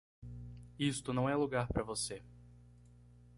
Isto não é lugar para você.